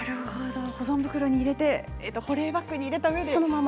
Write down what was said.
保存袋に入れて保冷バッグに入れてそのまま。